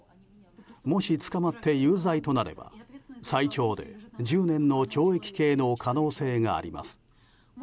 もし捕まって有罪となれば最長で１０年の懲役刑の可能性があります。